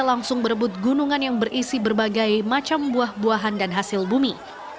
langsung berebut gunungan yang berisi berbagai macam buah buahan dan hasil bumi